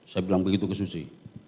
saya bilang begitu ke susi